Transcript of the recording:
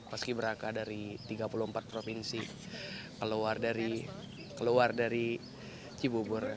paski beraka dari tiga puluh empat provinsi keluar dari cibubur